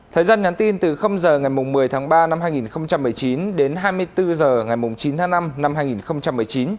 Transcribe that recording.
thời gian nhắn tin từ h ngày một mươi ba hai nghìn một mươi chín đến hai mươi bốn h ngày chín năm hai nghìn một mươi chín